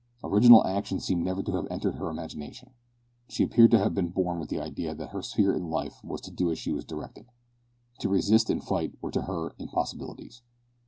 Original action seemed never to have entered her imagination. She appeared to have been born with the idea that her sphere in life was to do as she was directed. To resist and fight were to her impossibilities.